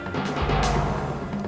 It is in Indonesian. aku akan menghina kau